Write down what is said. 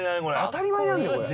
当たり前なんだよこれ。